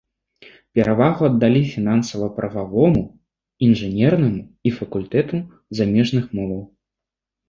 Перавагу аддалі фінансава-прававому, інжынернаму і факультэту замежных моваў.